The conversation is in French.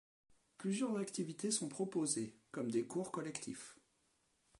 Plusieurs activités sont proposées, comme des cours collectifs.